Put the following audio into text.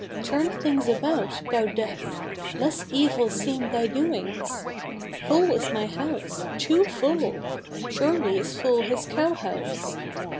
Turn things about, thou Death! Less evil seem thy doings. Full is my house too full: surely is full his cow house!